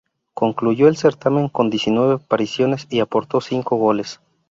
Concluyó el certamen con diecinueve apariciones y aportó cinco goles.